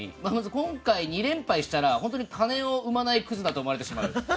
今回２連敗したら本当に金を生まないクズだと思われてしまう。